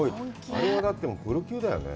あれはだって、プロ級だよね。